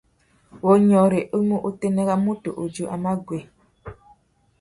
Wunyôrê i mú utênê râ mutu u zú a mú guá.